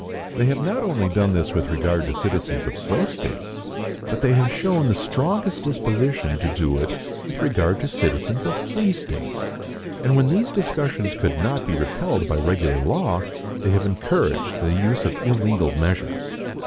They have not only done this with regard to citizens of slave states, but they have shown the strongest disposition to do it with regard to citizens of free states; and when these discussions could not be repelled by regular law, they have encouraged the use of illegal measures.